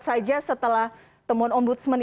saja setelah temuan om budsman